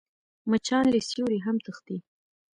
مچان له سیوري هم تښتي